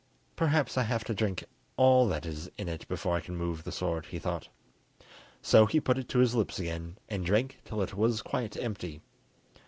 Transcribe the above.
"Perhaps I have to drink all that is in it before I can move the sword," he thought; so he put it to his lips again and drank till it was quite empty.